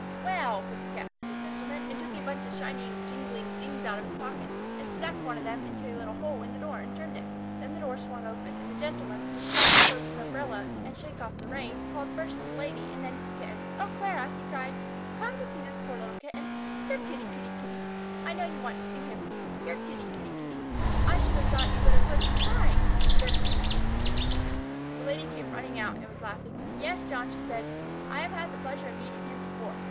"Well, Pussy cat!" said the Gentleman, and took a bunch of shining, jingling things out of his pocket and stuck one of them into a little hole in the door and turned it. Then the door swung open, and the Gentleman, who was trying to close his umbrella and shake off the rain, called first to the Lady and then to the kitten. "O Clara!" he cried. "Come to see this poor little Kitten. Here Kitty, Kitty, Kitty! I know you want to see him. Here Kitty, Kitty, Kitty! I should have thought you would have heard him crying. Here Kitty, Kitty, Kitty!" The Lady came running out and was laughing. "Yes, John," she said, "I have had the pleasure of meeting him before.